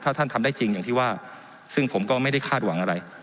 ถ้าท่านทำได้จริงอย่างที่ว่าซึ่งผมก็ไม่ได้คาดหวังอะไร